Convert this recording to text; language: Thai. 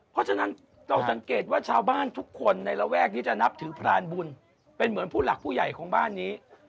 เพราะฉะนั้นเราสังเกตว่าชาวบ้านทุกคนในระแวกนี้จะนับถือพรานบุญเป็นเหมือนผู้หลักผู้ใหญ่ของบ้านนี้